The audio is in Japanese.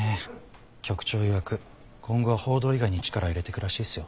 局長いわく今後は報道以外に力入れてくらしいっすよ。